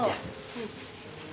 うん。